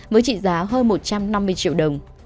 với trị giá hơn một trăm năm mươi triệu đồng